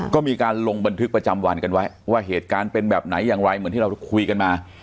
ก็มีการลงบันทึกประจำวันกันไว้ว่าเหตุการณ์เป็นแบบไหนอย่างไรเหมือนที่เราคุยกันมา